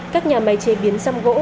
các nhà máy chế biến răm gỗ